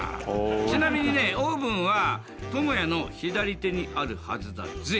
ちなみにねオーブンはトモヤの左手にあるはずだぜ！